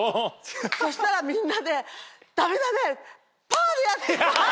そしたらみんなでダメダメパーでやってパーで！